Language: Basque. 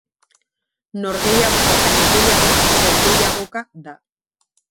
Norgehiagoka baino gehiago, zergehiagoka da.